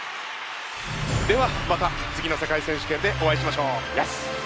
ではまた次の世界選手権でお会いしましょう。